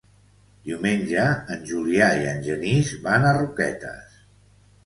Diumenge en Julià i en Genís van a Roquetes.